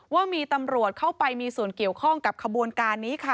ว่ามีตำรวจเข้าไปมีส่วนเกี่ยวข้องกับขบวนการนี้ค่ะ